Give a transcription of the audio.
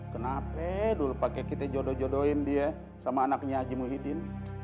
kenapa dulu pakai kita jodoh jodohin dia sama anaknya haji muhyiddin